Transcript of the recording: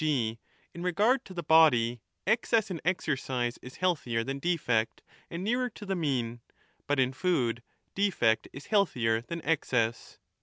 g. in regard to the body excess in exercise 30 is healthier than defect, and nearer to the mean, but in food defect is healthier than excess.